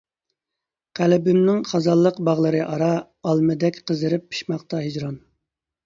قەلبىمنىڭ خازانلىق باغلىرى ئارا، ئالمىدەك قىزىرىپ پىشماقتا ھىجران.